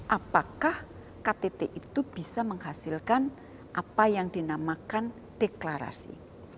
apakah ktt itu bisa menghasilkan apa yang dinamakan deklarasi